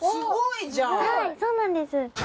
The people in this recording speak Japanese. はいそうなんです。